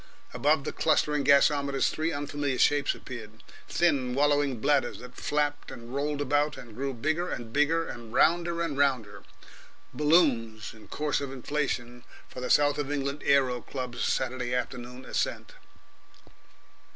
Above the clustering gasometers three unfamiliar shapes appeared, thin, wallowing bladders that flapped and rolled about, and grew bigger and bigger and rounder and rounder balloons in course of inflation for the South of England Aero Club's Saturday afternoon ascent.